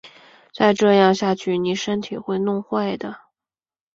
再这样下去妳身体会弄坏的